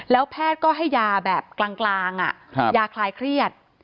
แล้วแพทย์ก็ให้ยาแบบกลางยาคลายเครียด